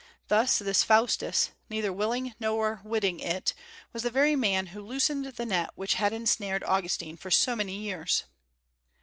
Thus this Faustus, "neither willing nor witting it," was the very man who loosened the net which had ensnared Augustine for so many years.